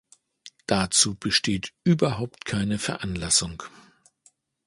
Dazu besteht überhaupt keine Veranlassung.